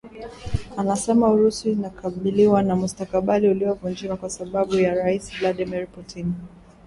anasema Urusi inakabiliwa na mustakabali uliovunjika kwa sababu ya Rais Vladimir Putin